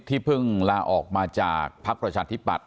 ที่เพิ่งลาออกมาจากพัคประชาธิบัตร